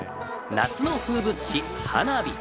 夏の風物詩、花火。